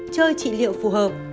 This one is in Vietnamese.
chơi trị liệu phù hợp